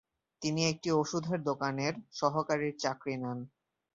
তিনি একটি ওষুধের দোকানের সহকারীর চাকরি নেন।